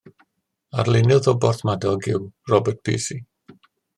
Arlunydd o Borthmadog yw Rob Piercy.